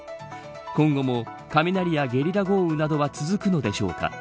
今後も雷やゲリラ豪雨などは続くのでしょうか。